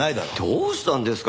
どうしたんですか？